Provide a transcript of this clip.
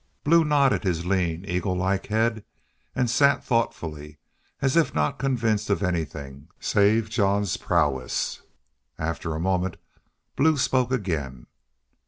Blue nodded his lean, eagle like head and sat thoughtfully, as if not convinced of anything save Jean's prowess. After a moment Blue spoke again.